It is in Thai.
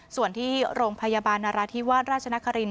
ส่วนที่โรงพยาบาลนราธิวาสราชนครินท